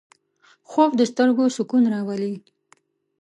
خوب د سترګو سکون راولي